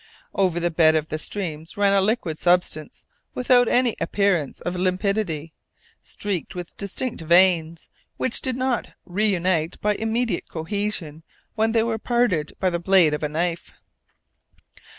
Over the bed of the streams ran a liquid substance without any appearance of limpidity, streaked with distinct veins, which did not reunite by immediate cohesion when they were parted by the blade of a knife!